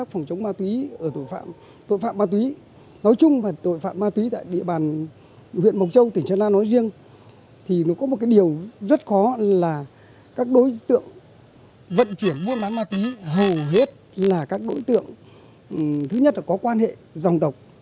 vua bán ma túy hầu hết là các đối tượng thứ nhất là có quan hệ dòng tộc